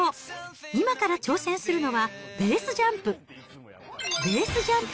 今から挑戦するのは、ベースジャンプ。